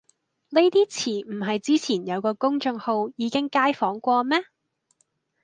呢啲詞唔係之前有個公眾號已經街訪過咩